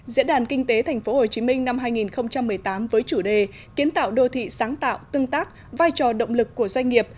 diễn đàn kinh tế tp hcm năm hai nghìn một mươi tám với chủ đề kiến tạo đô thị sáng tạo tương tác vai trò động lực của doanh nghiệp